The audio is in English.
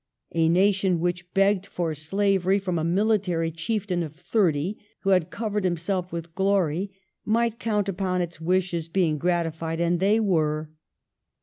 A nation which begged for slavery from a military chieftain of thirty, who had covered him self with glory, might count upon its wishes being gratified ; and they were."